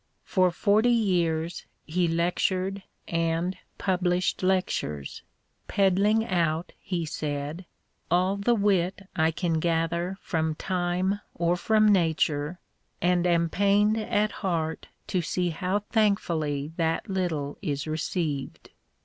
For forty years he lectured and pub lished lectures, " peddKng out," he said, " all the wit I can gather from Time or from Nature, and am pained at heart to see how thankfully that little is received."